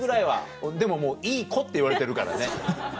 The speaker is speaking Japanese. でももう「いい子」って言われてるからね。